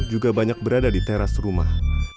juga banyak berada di teras rumah